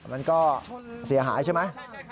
มันก็เสียหายใช่ไหม